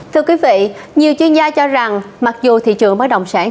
thưa quý vị nhiều chuyên gia cho rằng mặc dù thị trường bất động sản